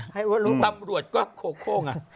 ให้รู้ตำรวจก็โค้ง